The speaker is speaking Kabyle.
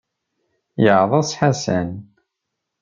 Yeɛḍes Ḥasan.